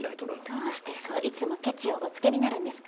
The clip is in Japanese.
どうしてそういつもケチをおつけになるんですか。